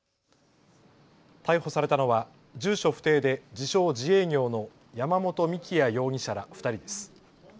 逮捕されたのは住所不定で自称、自営業の山本幹也容疑者ら２人です。